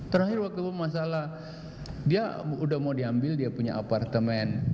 terakhir waktu masalah dia udah mau diambil dia punya apartemen